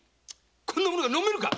こんなものが飲めるか！